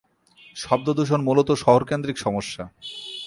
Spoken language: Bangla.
শব্দদূষণ মূলত শহরকেন্দ্রিক সমস্যা।